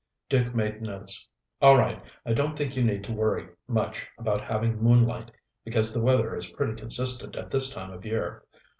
Duke made notes. "All right. I don't think you need to worry much about having moonlight, because the weather is pretty consistent at this time of year.